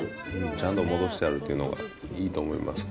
ちゃんと戻してあるっていうのが、いいと思います。